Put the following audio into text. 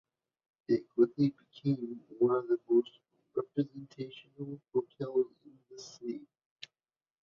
It quickly became one of the most representational hotels in the city.